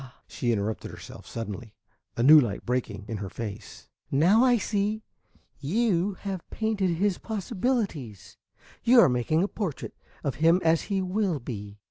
she interrupted herself suddenly, a new light breaking in her face. "Now I see! You have been painting his possibilities. You are making a portrait of him as he will be."